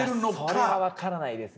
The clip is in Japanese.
いやそれは分からないですね。